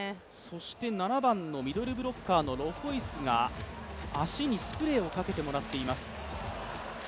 そして７番のミドルブロッカーのロホイスが足にスプレーをかけてもらっています。